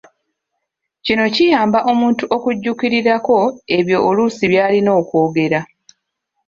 Kino kiyamba omuntu okujjukirirako ebyo oluusi by'alina okwogera.